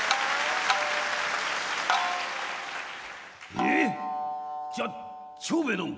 「ええじゃあ長兵衛どん